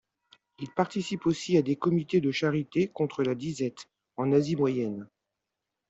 Il participe aussi à des comités de charité contre la disette en Asie moyenne.